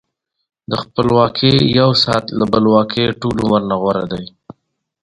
د خپلواکۍ یو ساعت له بلواکۍ ټول عمر نه غوره دی.